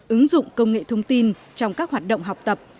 ứng dụng công nghệ thông tin trong các hoạt động học tập